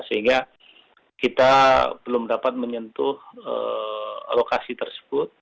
sehingga kita belum dapat menyentuh lokasi tersebut